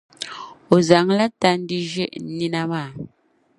O zaŋla tandi ʒe n nina maa.